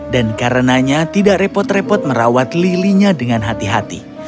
dan karenanya tidak repot repot merawat lilinya dengan hati hati